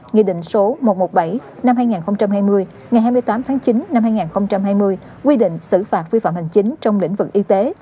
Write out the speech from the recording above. nghị định số một trăm một mươi bảy năm hai nghìn hai mươi ngày hai mươi tám tháng chín năm hai nghìn hai mươi quy định xử phạt vi phạm hành chính trong lĩnh vực y tế